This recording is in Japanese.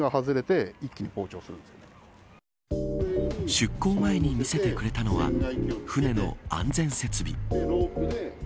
出航前に見せてくれたのは船の安全設備。